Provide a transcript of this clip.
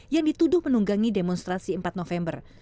yang dituduh menunggangi demonstrasi empat november